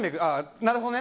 なるほどね。